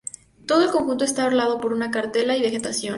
Todo el conjunto está orlado por una cartela y vegetación.